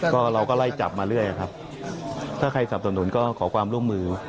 ก็เราก็ไล่จับมาเรื่อยครับถ้าใครสับสนุนก็ขอความร่วมมือ